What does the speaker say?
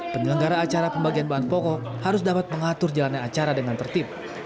penyelenggara acara pembagian bahan pokok harus dapat mengatur jalannya acara dengan tertib